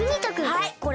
はいこれ。